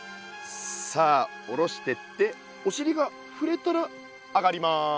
さあ下ろしてっておしりが触れたら上がります。